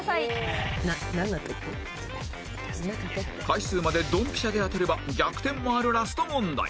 回数までドンピシャで当てれば逆転もあるラスト問題